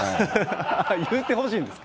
言うてほしいんですか？